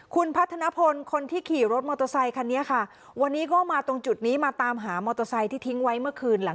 คุณพัทธนพลคนที่ขี่รถมอเตอร์ไซคันนี้ค่ะ